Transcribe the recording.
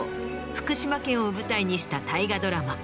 福島県を舞台にした大河ドラマ